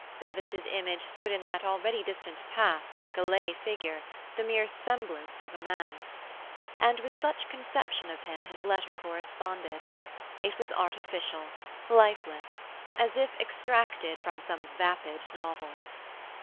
Bevis's image stood in that already distant past like a lay figure, the mere semblance of a man. And with such conception of him his letter corresponded; it was artificial, lifeless, as if extracted from some vapid novel.